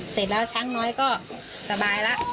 เสร็จแล้วช้างน้อยก็สบายแล้ว